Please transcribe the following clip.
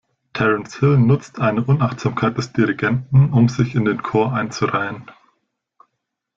Terence Hill nutzt eine Unachtsamkeit des Dirigenten, um sich in den Chor einzureihen.